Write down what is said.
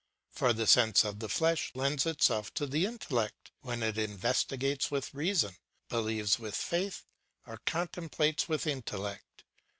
For the sense of the flesh lends itself to the intellect when it investigates with reason, believes with faith, or contemplates with intellect.